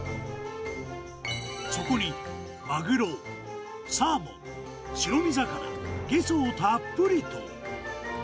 そこにマグロ、サーモン、白身魚、ゲソをたっぷりと。